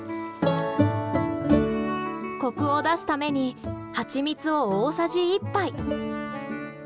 コクを出すためにハチミツを大さじ１杯。